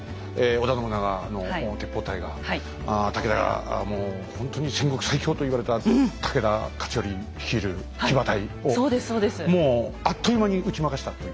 織田信長の鉄砲隊が武田もうほんとに戦国最強と言われた武田勝頼率いる騎馬隊をもうあっという間に打ち負かしたという。